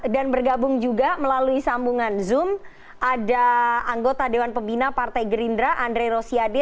dan bergabung juga melalui sambungan zoom ada anggota dewan pembina partai gerindra andre rosiade